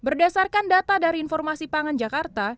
berdasarkan data dari informasi pangan jakarta